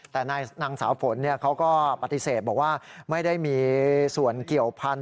แต่นางสาวฝนเขาก็ปฏิเสธบอกว่าไม่ได้มีส่วนเกี่ยวพันธุ